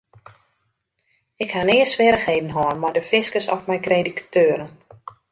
Ik ha nea swierrichheden hân mei de fiskus of mei krediteuren.